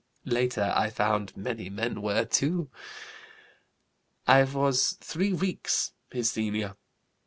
Later I found many men were too. I was three weeks his senior.